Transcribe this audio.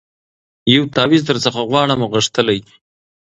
یو تعویذ درڅخه غواړمه غښتلی